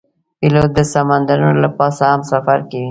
پیلوټ د سمندرونو له پاسه هم سفر کوي.